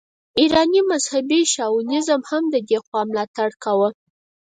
ایراني مذهبي شاونیزم هم د دې خوا ملاتړ کاوه.